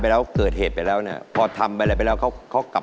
ไอนี่ไฟเตอร์กว่า